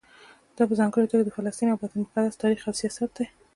دا په ځانګړي توګه د فلسطین او بیت المقدس تاریخ او سیاست دی.